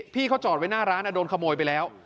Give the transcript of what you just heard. พี่เขาจอดไว้หน้าร้านโดนขโมยไปแล้ว